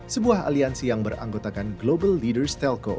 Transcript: sebuah aliansi yang beranggotakan global leaders telkom